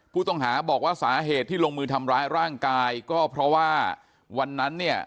ผู้ต้องหาบอกว่าสาเหตุที่ลงมือทำร้ายร่างกายก็เพราะว่าวันนั้นเนี่ย